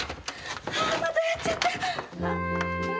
ああまたやっちゃった！